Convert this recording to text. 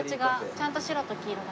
ちゃんと白と黄色だ。